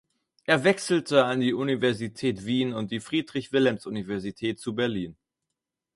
Er wechselte an die Universität Wien und die Friedrich-Wilhelms-Universität zu Berlin.